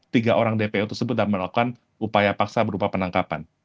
tiga orang dpo tersebut dan melakukan upaya paksa berupa penangkapan